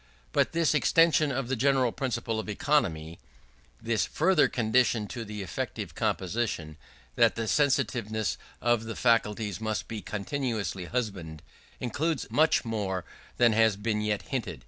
But this extension of the general principle of economy this further condition to effective composition, that the sensitiveness of the faculties must be continuously husbanded includes much more than has been yet hinted.